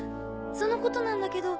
そのことなんだけど。